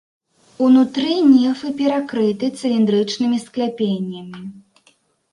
Унутры нефы перакрыты цыліндрычнымі скляпеннямі.